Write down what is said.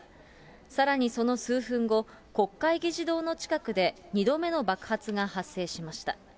さらにその数分後、国会議事堂の近くで２度目の爆発が発生しました。